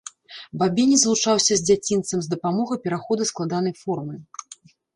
Бабінец злучаўся з дзяцінцам з дапамогай перахода складанай формы.